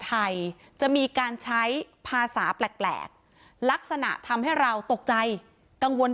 ไทยจะมีการใช้ภาษาแปลกลักษณะทำให้เราตกใจกังวล